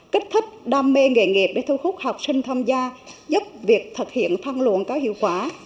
kích thích đam mê nghề nghiệp để thu hút học sinh tham gia giúp việc thực hiện phân luồng cao hiệu quả